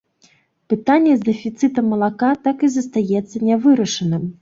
Пытанне з дэфіцытам малака так і застаецца нявырашаным.